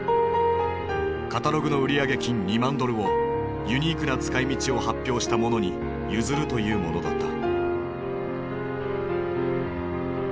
カタログの売上金２万ドルをユニークな使いみちを発表した者に譲るというものだった。